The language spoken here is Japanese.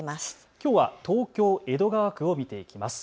きょうは東京江戸川区を見ていきます。